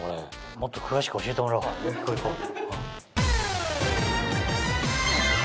もっと詳しく教えてもらおう行こう行こう。